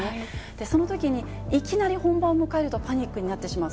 そのときに、いきなり本番を迎えるとパニックになってしまう。